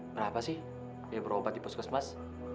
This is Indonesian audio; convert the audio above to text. berapa sih biaya berobat di pos kosmas